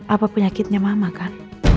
apa penyakitnya mama kan